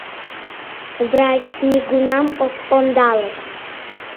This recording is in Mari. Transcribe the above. — Врач нигунам ок ондале!